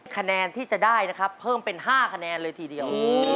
คะแนนที่จะได้นะครับเพิ่มเป็น๕คะแนนเลยทีเดียว